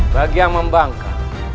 bagi yang membangka